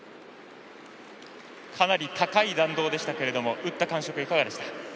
かなり高い弾道でしたけども打った感触、いかがでした？